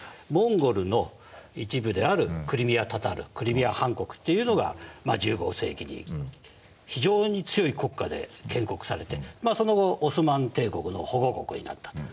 モンゴルの一部であるクリミア・タタールクリミア・ハン国というのが１５世紀に非常に強い国家で建国されてその後オスマン帝国の保護国になった。